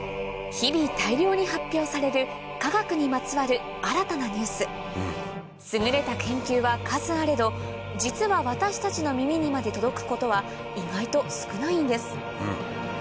日々大量に発表される科学にまつわる新たなニュース優れた研究は数あれど実は私たちの耳にまで届くことは意外と少ないんです